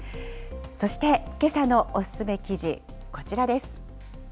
そして、けさのお勧め記事、こちらです。